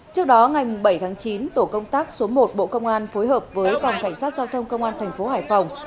trước đó ngày bảy tháng chín tổ công tác số một bộ công an phối hợp với phòng cảnh sát giao thông công an thành phố hải phòng